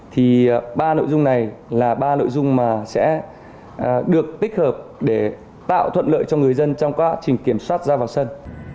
thì ba nội dung này là ba nội dung mà sẽ được tích hợp để tạo thuận lợi cho người dân trong quá trình kiểm soát ra vào sân